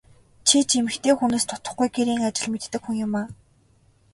Чи ч эмэгтэй хүнээс дутахгүй гэрийн ажил мэддэг хүн юмаа.